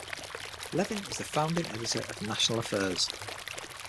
Levin is the founding editor of "National Affairs".